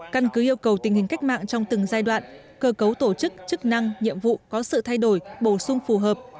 căn cứ yêu cầu tình hình cách mạng trong từng giai đoạn cơ cấu tổ chức chức năng nhiệm vụ có sự thay đổi bổ sung phù hợp